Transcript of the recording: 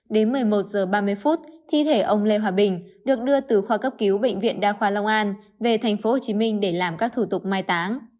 đến một mươi một h ba mươi thi thể ông lê hòa bình được đưa từ khoa cấp cứu bệnh viện đa khoa long an về tp hcm để làm các thủ tục mai táng